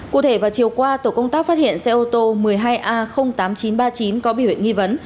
cụ thể vào chiều qua tổ công tác phát hiện xe ô tô một mươi hai a tám nghìn chín trăm ba mươi chín có biểu hiện nghi vấn